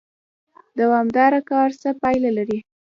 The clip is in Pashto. دوامدار کار څه پایله لري؟